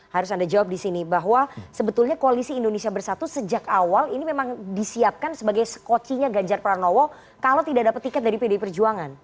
harus anda jawab di sini bahwa sebetulnya koalisi indonesia bersatu sejak awal ini memang disiapkan sebagai skocinya ganjar pranowo kalau tidak dapat tiket dari pdi perjuangan